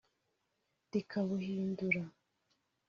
rikabuhindura